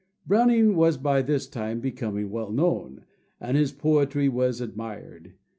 Browning was by this time becoming well known, and his poetry was admired.